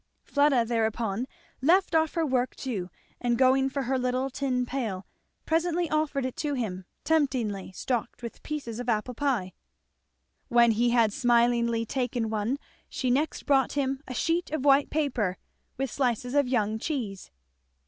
Fleda thereupon left off her work too, and going for her little tin pail presently offered it to him temptingly stocked with pieces of apple pie. When he had smilingly taken one, she next brought him a sheet of white paper with slices of young cheese.